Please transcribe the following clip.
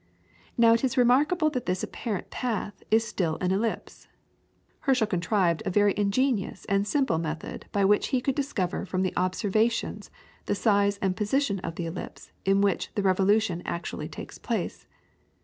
Now it is remarkable that this apparent path is still an ellipse. Herschel contrived a very ingenious and simple method by which he could discover from the observations the size and position of the ellipse in which the revolution actually takes place.